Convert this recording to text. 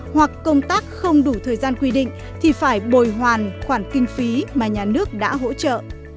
hoặc công tác không đủ thời gian quy định thì phải bồi hoàn khoản kinh phí mà nhà nước đã hỗ trợ